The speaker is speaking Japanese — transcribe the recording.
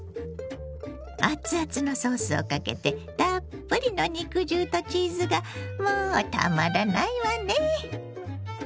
熱々のソースをかけてたっぷりの肉汁とチーズがもうたまらないわね！